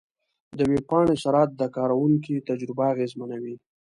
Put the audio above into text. د ویب پاڼې سرعت د کارونکي تجربه اغېزمنوي.